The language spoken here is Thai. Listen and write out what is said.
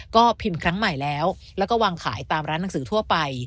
ก็พิมพ์ครั้งใหม่แล้วแล้วก็วางขายตามร้านหนังสือทั่วไป